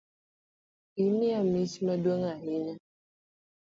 Imiya mich maduong’ ahinya